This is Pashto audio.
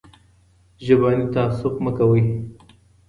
ژبني تعصب مه کوئ.